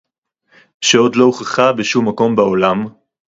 שעוד לא הוכחה בשום מקום בעולם